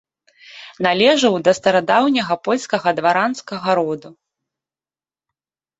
Належаў да старадаўняга польскага дваранскага роду.